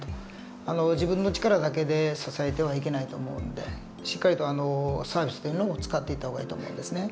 自分の力だけで支えてはいけないと思うんでしっかりとサービスというのも使っていった方がいいと思うんですね。